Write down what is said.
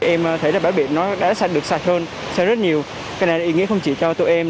em thấy là bãi biển nó đã sạch được sạch hơn sạch rất nhiều cái này là ý nghĩa không chỉ cho tụi em